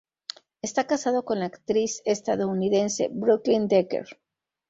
Esta casado con la actriz estadounidense Brooklyn Decker.